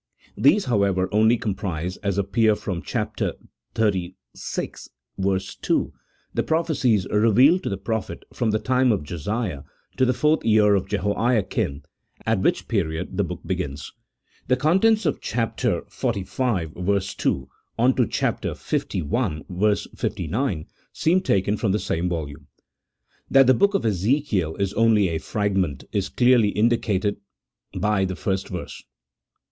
These, however, only comprise (as appears from chap, xxxvi. 2) the prophecies revealed to the prophet from the time of Josiah to the fourth year of Jehoiakim, at which period the book begins. The contents of chap. xlv. 2, on to chap. li. 59, seem taken from the same volume. That the book of EzeMel is only a fragment, is clearly indicated by the first verse.